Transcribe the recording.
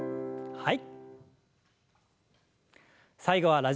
はい。